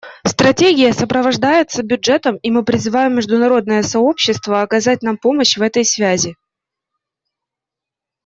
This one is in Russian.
Стратегия сопровождается бюджетом, и мы призываем международное сообщество оказать нам помощь в этой связи.